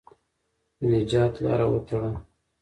د نجات لاره وتړه.